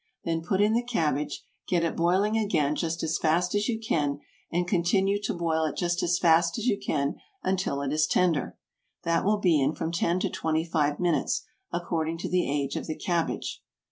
Then put in the cabbage; get it boiling again just as fast as you can, and continue to boil it just as fast as you can until it is tender. That will be in from ten to twenty five minutes, according to the age of the cabbage.